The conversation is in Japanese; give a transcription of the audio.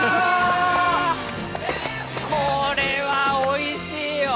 これはおいしいよ！